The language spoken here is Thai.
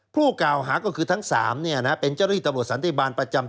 ผู้กล่าวหาก็คือทั้ง๓เป็นเจ้าหน้าที่ตำรวจสันติบาลประจำ